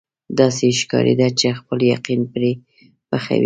داسې ښکارېده چې خپل یقین پرې پخوي.